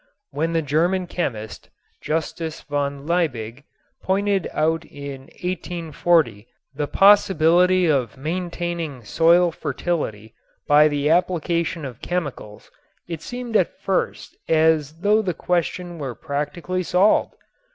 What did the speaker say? When the German chemist, Justus von Liebig, pointed out in 1840 the possibility of maintaining soil fertility by the application of chemicals it seemed at first as though the question were practically solved.